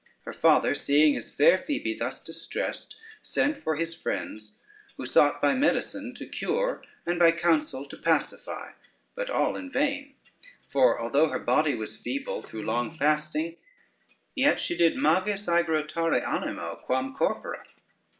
Her father, seeing his fair Phoebe thus distressed, sent for his friends, who sought by medicine to cure, and by counsel to pacify, but all in vain; for although her body was feeble through long fasting, yet she did magis aegrotare animo quam corpore.